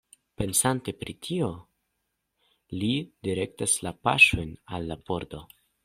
Pensante pri tio, li direktas la paŝojn al la pordo.